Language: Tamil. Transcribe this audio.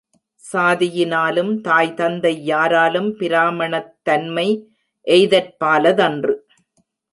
சாதியினாலும் தாய் தந்தை யாராலும் பிராமணத் தன்மை எய்தற் பாலதன்று.